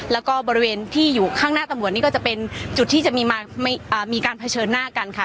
แล้วก็บริเวณที่อยู่ข้างหน้าตำรวจนี่ก็จะเป็นจุดที่จะมีการเผชิญหน้ากันค่ะ